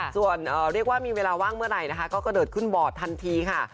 ส่วนเรียกว่ามีเวลาว่างเมื่อไหร่นะคะก็กระโดดขึ้นบอร์ดทันทีค่ะ